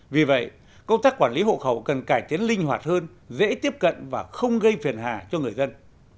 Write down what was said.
vì vậy công tác quản lý hộ khẩu cần cải tiến linh hoạt hơn dễ tiếp cận và không gây phiền hà cho người dân